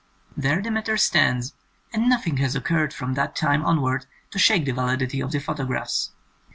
There the matter stands, and nothing has occurred from that time onwards to shake the validity of the photographs.